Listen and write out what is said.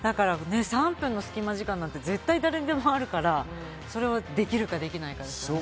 ３分のスキマ時間なんて、絶対誰でもあるから、それをできるか、できないかですよね。